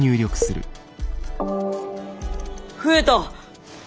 増えた！